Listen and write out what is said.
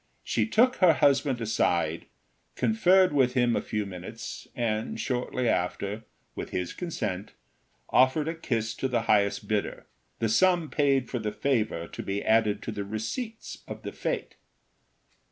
She took her husband aside, conferred with him for a few minutes, and shortly after, with his consent, offered a kiss to the highest bidder, the sum paid for the favor to be added to the receipts of the fête.